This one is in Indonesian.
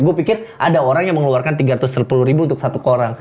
gue pikir ada orang yang mengeluarkan tiga ratus sepuluh ribu untuk satu koran